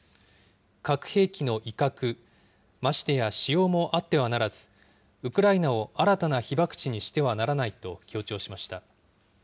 核兵器の威嚇、ましてや使用もあってはならず、ウクライナを新たな被爆地にしてはならないと強調しました。